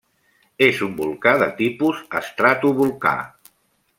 És un volcà de tipus estratovolcà.